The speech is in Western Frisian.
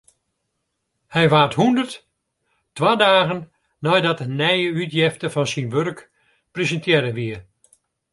Hy waard hûndert, twa dagen neidat in nije útjefte fan syn wurk presintearre wie.